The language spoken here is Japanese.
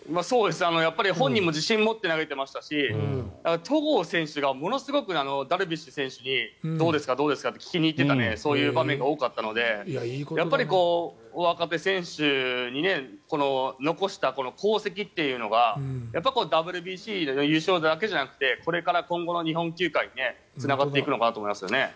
本人も自信持って投げてましたし戸郷選手がダルビッシュ選手にものすごく、どうですか？と聞きに行っていた場面が多かったのでやっぱり若手選手に残した功績というのがＷＢＣで優勝だけじゃなくて今後の日本球界につながっていくのかなと思いますね。